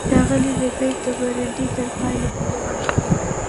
ښاغلی ربیټ د برنډې تر پایه پورې ورغی